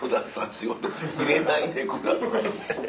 仕事入れないでください」って。